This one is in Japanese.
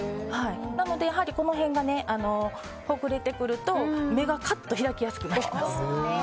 なので、この辺がほぐれてくると目がカッと開きやすくなります。